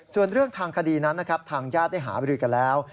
ส่วนเรื่องทางคดีนั้นนะครับทางญาติได้หาบริกันแล้ว